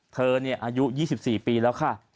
เธอนี่อายุ๒๔ปีแล้วค่ะ